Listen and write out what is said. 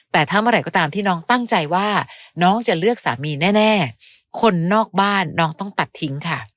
แต่ถ้าเมื่อไหร่ก็ตามที่น้องตั้งใจว่าน้องจะเลือกสามีแน่คนนอกบ้านน้องต้องตัดทิ้งค่ะ